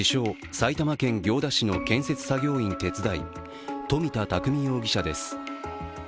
・埼玉県行田市の建設作業員手伝い富田匠容疑者です。